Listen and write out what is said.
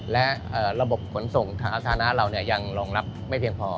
และระบบขนส่งสาธารณะเรายังรองรับไม่เพียงพอ